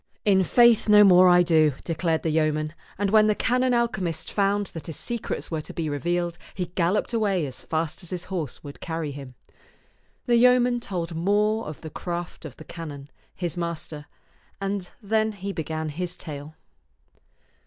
" In faith, no more I do," declared the yeoman ; and when the canon alchemist found that his secrets €^e Canon'0 Vtoman'B €ak 205 were to be revealed, he galloped away as fast as his horse would carry him. The yeoman told more of the craft of the canon, his master, and then he began his tale.